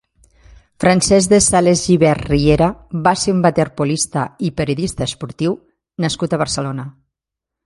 Francesc de Sales Gibert Riera va ser un waterpolista i periodista esportiu nascut a Barcelona.